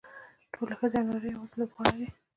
ټولې ښځې او نارینه یوازې لوبغاړي دي.